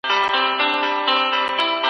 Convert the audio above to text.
کورنۍ له پیل راهیسې همکاري کوي.